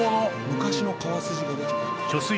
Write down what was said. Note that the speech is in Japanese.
昔の川筋が出ちゃった。